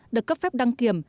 được cấp phép đăng kiểm